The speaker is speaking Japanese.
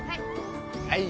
はい。